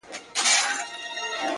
زما پاچا زما له خياله نه وتلی;